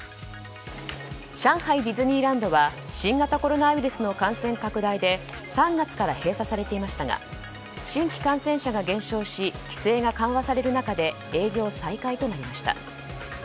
上海ディズニーランドは新型コロナウイルスの感染拡大で３月から閉鎖されていましたが新規感染者が減少し規制が緩和される中で営業再開となりました。